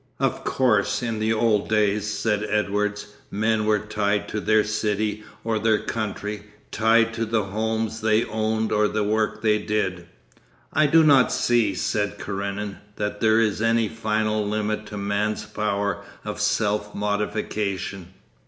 'Of course, in the old days,' said Edwards, 'men were tied to their city or their country, tied to the homes they owned or the work they did....' 'I do not see,' said Karenin, 'that there is any final limit to man's power of self modification.